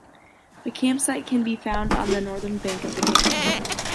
A campsite can be found on the northern bank of the dam.